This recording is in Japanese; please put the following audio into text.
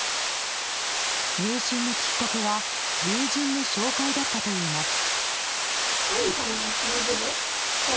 入信のきっかけは友人の紹介だったといいます。